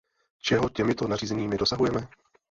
Čeho těmito nařízeními dosahujeme?